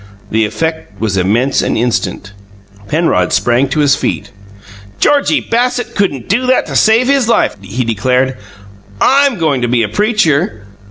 The effect was immense and instant. Penrod sprang to his feet. "Georgie Bassett couldn't do that to save his life," he declared. "I'm goin' to be a preacher!